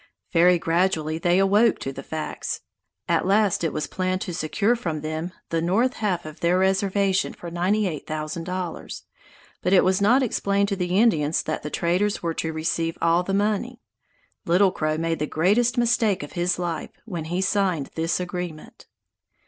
Very gradually they awoke to the facts. At last it was planned to secure from them the north half of their reservation for ninety eight thousand dollars, but it was not explained to the Indians that the traders were to receive all the money. Little Crow made the greatest mistake of his life when he signed this agreement.